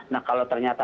nah kalau ternyata